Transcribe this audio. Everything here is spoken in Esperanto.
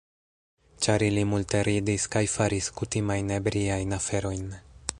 Ĉar ili multe ridis kaj faris kutimajn ebriajn aferojn.